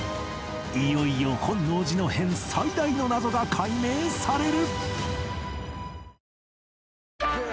いよいよ本能寺の変最大の謎が解明される